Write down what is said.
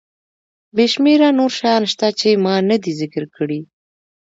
بې شمېره نور شیان شته چې ما ندي ذکر کړي.